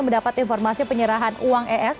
mendapat informasi penyerahan uang